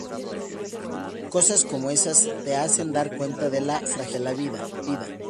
Cosas como esas te hacen dar cuenta de la fragilidad de la vida.